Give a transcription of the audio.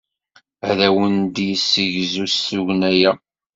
Ad awent-d-yessegzu s tugna-a.